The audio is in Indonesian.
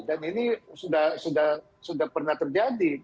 ini sudah pernah terjadi